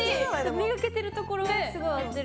目がけてるところはすごい合ってる。